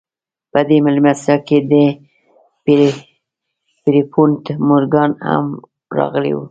په دې مېلمستيا کې ان پيرپونټ مورګان هم راغلی و.